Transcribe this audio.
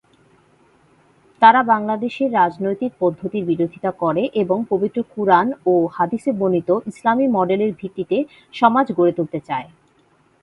তারা বাংলাদেশের রাজনৈতিক পদ্ধতির বিরোধিতা করে এবং পবিত্র কুরআন ও হাদিসে বর্ণিত ইসলামি মডেলের ভিত্তিতে সমাজ গড়ে তুলতে চায়।